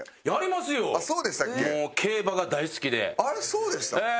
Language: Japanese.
そうでした？